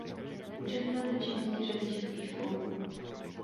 Účastnil se činnosti řady českých spolků.